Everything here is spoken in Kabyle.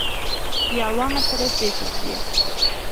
Yeṛwa afras di teẓgi.